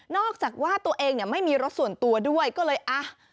อกจากว่าตัวเองเนี่ยไม่มีรถส่วนตัวด้วยก็เลยอ่ะ